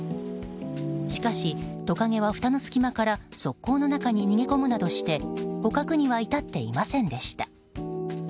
しかしトカゲは、ふたの隙間から側溝の中に逃げ込むなどして捕獲には至っていませんでした。